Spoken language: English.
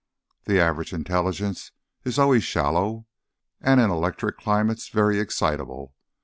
The average intelligence is always shallow, and in electric climates very excitable.